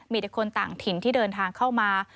มีแต่คนต่างถิ่นที่เดินทางเข้ามา